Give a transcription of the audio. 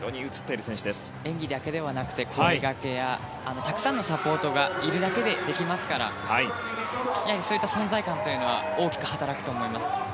演技だけではなくて声がけや、たくさんのサポートがいるだけでできますからそういった存在感は大きく働くと思います。